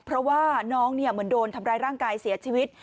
เพราะว่าน้องเหมือนโดนทำร้ายร่างกายเสียชีวิต